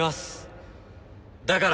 だから。